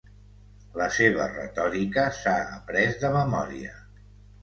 La seva retòrica s'ha après de memòria.